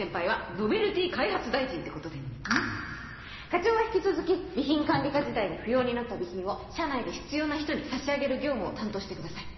課長は引き続き備品管理課時代に不要になった備品を社内で必要な人に差し上げる業務を担当してください。